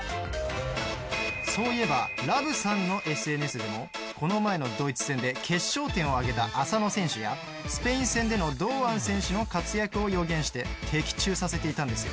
そういえばＬｏｖｅさんのＳＮＳでもこの前のドイツ戦で決勝点を挙げた浅野選手やスペイン戦での堂安選手の活躍を予言して的中させていたんですよ。